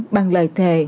bằng lời thề